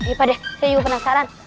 eh pak deh saya juga penasaran